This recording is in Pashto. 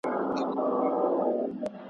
د لویې جرګي پرېکړې کله په رسمي جریده کي خپریږي؟